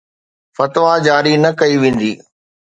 فتويٰ جاري نه ڪئي ويندي